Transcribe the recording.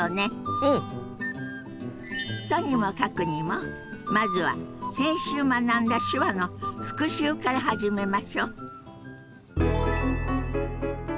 とにもかくにもまずは先週学んだ手話の復習から始めましょ。